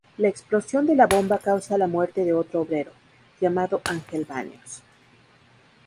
La explosión de la bomba causa la muerte de otro obrero, llamado Ángel Baños.